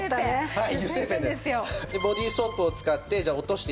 はい。